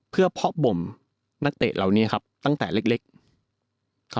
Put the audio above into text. เพื่อเพาะบ่มนักเตะเหล่านี้ครับตั้งแต่เล็กครับ